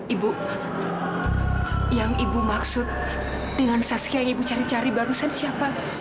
ibu yang ibu maksud dengan saskia yang ibu cari cari baru saya siapa